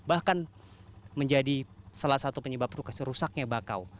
bahkan menjadi salah satu penyebab rusaknya bakau